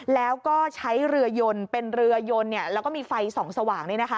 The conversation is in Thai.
แล้วก็ใช้เรือยนเป็นเรือยนแล้วก็มีไฟส่องสว่าง